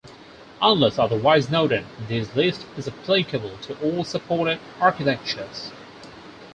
Unless otherwise noted, this list is applicable to all supported architectures.